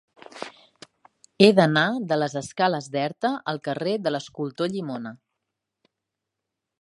He d'anar de les escales d'Erta al carrer de l'Escultor Llimona.